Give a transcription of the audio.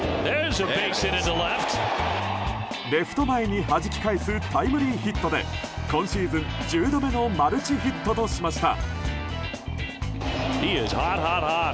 レフト前にはじき返すタイムリーヒットで今シーズン１０度目のマルチヒットとしました。